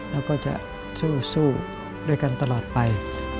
แล้วก็จะสู้ด้วยกันตลอดไป